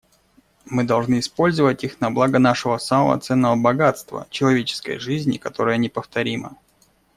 Мы должны использовать их на благо нашего самого ценного богатства — человеческой жизни, которая неповторима.